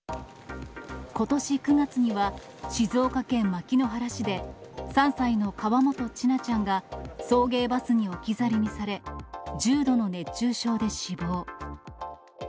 ことし９月には、静岡県牧之原市で、３歳の河本千奈ちゃんが、送迎バスに置き去りにされ、重度の熱中症で死亡。